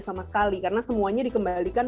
sama sekali karena semuanya dikembalikan